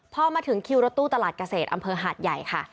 พอมาถึงคิวรถตู้ตลาดเกษตรอำเภอหาดใหญ่ค่ะ